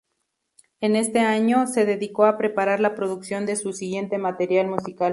En este año, se dedicó a preparar la producción de su siguiente material musical.